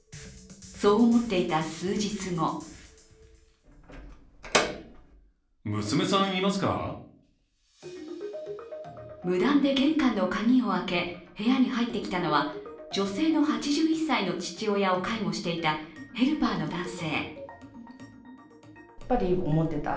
そう思っていた数日後無断で玄関の鍵を開け、部屋に入ってきたのは女性の８１歳の父親を介護していたヘルパーの男性。